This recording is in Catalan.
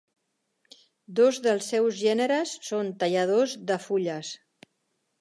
Dos dels seus gèneres són talladors de fulles.